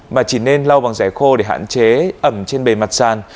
mà chỉ nên lau bằng rẻ khô để hạn chế ẩm trên bề mặt sàn